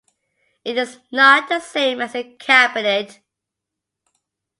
It is not the same as a cabinet.